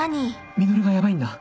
実がヤバいんだ。